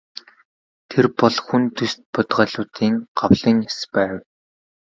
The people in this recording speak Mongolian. Тэр бол хүн төст бодгалиудын гавлын яс байв.